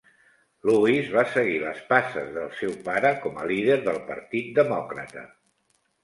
Lewis va seguir les passes del seu pare com a líder del Partit Demòcrata.